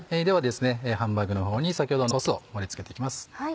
ではハンバーグのほうに先ほどのソースを盛り付けて行きます。